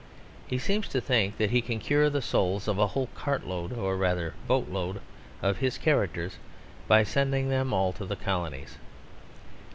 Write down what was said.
He seems to think that he can cure the souls of a whole cartload, or rather boatload, of his characters by sending them all to the Colonies.